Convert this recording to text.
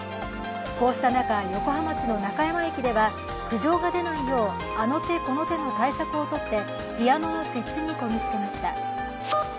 こうした中、横浜市の中山駅では苦情が出ないようあの手この手の対策をとってピアノの設置にこぎ着けました。